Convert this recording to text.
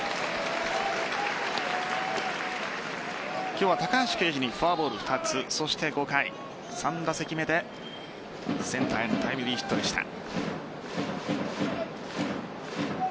今日は高橋奎二にフォアボール２つそして５回、３打席目でセンターへのタイムリーヒットでした。